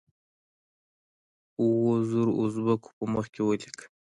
اوو زرو اوزبیکو په مخ کې ولیک.